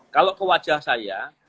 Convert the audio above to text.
kalau ke wajah saya